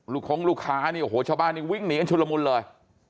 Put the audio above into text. คงลูกค้านี่โอ้โหชาวบ้านนี่วิ่งหนีกันชุดละมุนเลย